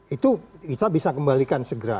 itu kita bisa kembalikan segera